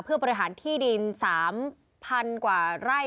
เพื่อบริหารที่ดิน๓๐๐๐กว่าไร่